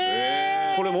これも？